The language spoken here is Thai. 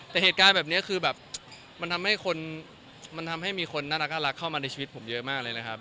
แต่เหตุการณ์แบบนี้คือแบบมันทำให้คนมันทำให้มีคนน่ารักเข้ามาในชีวิตผมเยอะมากเลยนะครับ